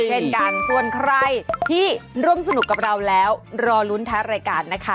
เช่นกันส่วนใครที่ร่วมสนุกกับเราแล้วรอลุ้นท้ายรายการนะคะ